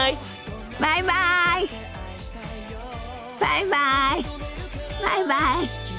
バイバイバイバイ。